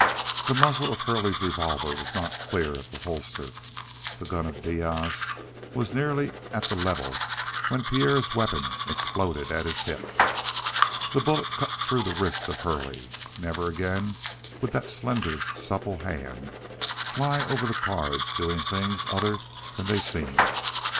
The muzzle of Hurley's revolver was not clear of the holster the gun of Diaz was nearly at the level when Pierre's weapon exploded at his hip. The bullet cut through the wrist of Hurley. Never again would that slender, supple hand fly over the cards, doing things other than they seemed.